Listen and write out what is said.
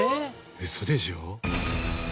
ウソでしょ？